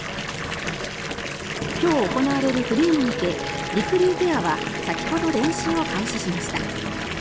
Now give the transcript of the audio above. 今日行われるフリーに向けりくりゅうペアは先ほど練習を開始しました。